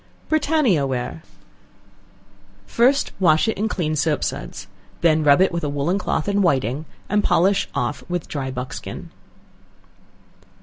Britannia Ware. First wash it clean in soap suds, then rub it with a woollen cloth and whiting, and polish off with dry buckskin.